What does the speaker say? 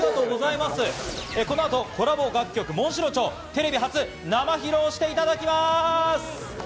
この後、コラボ楽曲『紋白蝶』、テレビ初生披露していただきます。